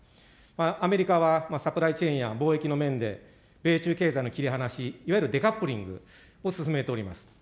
アメリカはサプライチェーンや貿易の面で、米中経済の切り離し、いわゆるデカップリングを進めております。